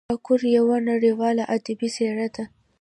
ټاګور یوه نړیواله ادبي څېره ده.